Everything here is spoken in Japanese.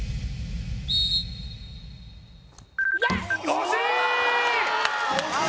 惜しい！